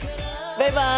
バイバイ。